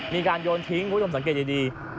มีการโยนทิ้งคุณผู้ชมสังเกตดี